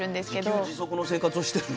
自給自足の生活をしてるの？